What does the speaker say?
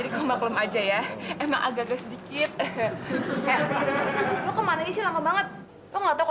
kemarin aja ya emang agak sedikit kemana